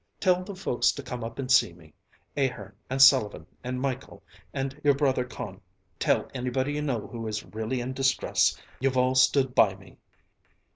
Tell the folks to come up and see me, Ahern and Sullivan and Michel and your brother Con; tell anybody you know who is really in distress. You've all stood by me!"